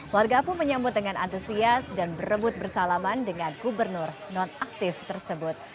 warga pun menyambut dengan antusias dan berebut bersalaman dengan gubernur non aktif tersebut